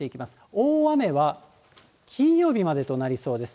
大雨は金曜日までとなりそうです。